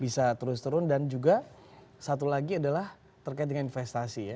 bisa terus turun dan juga satu lagi adalah terkait dengan investasi ya